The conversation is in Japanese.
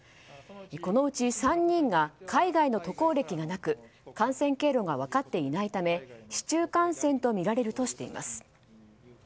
このうち３人が海外の渡航歴がなく感染経路が分かっていないため市中感染とみられるとしています。